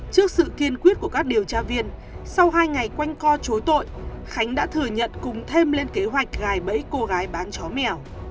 trước sự kiên quyết của các điều tra viên sau hai ngày quanh co chối tội khánh đã thừa nhận cùng thêm lên kế hoạch gài bẫy cô gái bán chó mèo